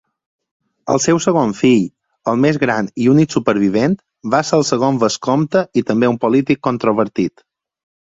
El seu segon fill, el més gran i únic supervivent, va ser el segon vescomte i també un polític controvertit.